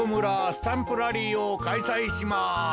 スタンプラリーをかいさいします！